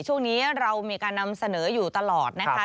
ช่วงนี้เรามีการนำเสนออยู่ตลอดนะคะ